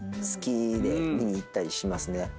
好きで見に行ったりしますね。